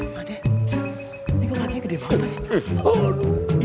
pak deh ini kakinya gede banget pak deh